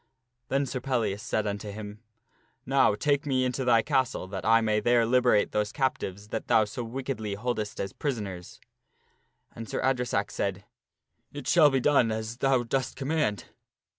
Then Sir Pel lias said unto him, " Now take me into thy castle that I may there liberate those captives that thou so wickedly holdest as prisoners/' And Sir Adre sack said, " It shall be done as thou dost command."